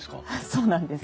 そうなんです。